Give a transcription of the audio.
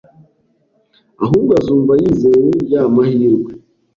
ahubwo azumva yizeye ya mahirwe